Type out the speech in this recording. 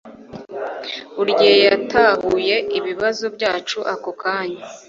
Buri gihe yatahuye ibibazo byacu ako kanya